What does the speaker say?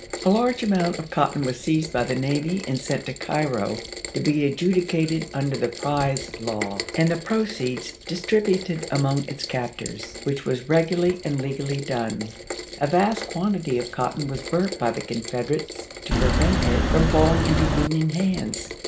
A large amount of cotton was seized by the navy and sent to Cairo to be adjudicated under the prize law, and the proceeds distributed among its cap tors, which was regularly and legally done. A vast quantity of cotton was burnt by the Confederates to prevent it from falling into Union hands.